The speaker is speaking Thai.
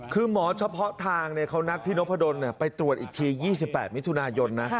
คือหมอเฉพาะทางเขานัดพี่นพดลไปตรวจอีกที๒๘มิถุนายนนะ